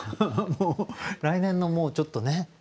来年のもうちょっとね